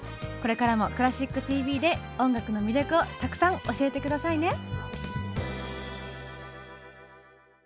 これからも「クラシックＴＶ」で音楽の魅力をたくさん教えて下さいね！